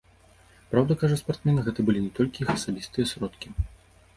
Праўда, кажа спартсмен, гэта былі не толькі іх асабістыя сродкі.